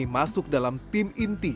masuk dalam tim inti